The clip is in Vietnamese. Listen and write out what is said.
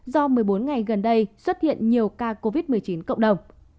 do một mươi bốn ngày gần đây xuất hiện nhiều ca covid một mươi chín cộng đồng